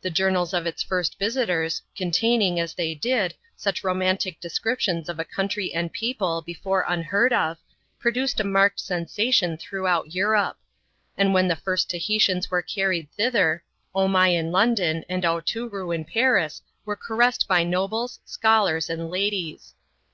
The journals of its first visitors, containing, as they did, such romantic descriptions of a country and people before unheard of, produced a marked sensation throughout Europe ; and when the first Tahitians were carried thither, Omai in London, and Aotooroo in Paris, were caressed by nobles, scholars, and ladies.